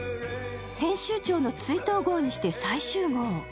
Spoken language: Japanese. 編集長の追悼号にして最終号。